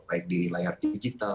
baik di layar digital